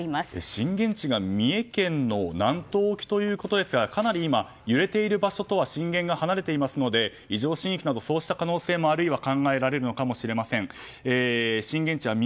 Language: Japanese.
震源地が三重県の南東沖ということですがかなり揺れている場所とは震源が離れていますので以上震域などそうしたことも考えられるのかもしれません。